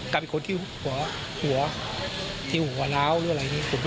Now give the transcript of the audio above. กลับอีกคนที่หัวร้าวหรืออะไรอย่างนี้